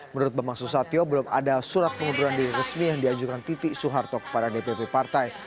menurut bambang susatyo belum ada surat pengunduran diri resmi yang diajukan titi soeharto kepada dpp partai